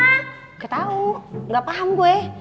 gak tau gak paham gue